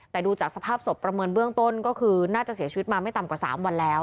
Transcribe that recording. แต่ดูจากสภาพศพประเมินเบื้องต้นก็คือน่าจะเสียชีวิตมาไม่ต่ำกว่า๓วันแล้ว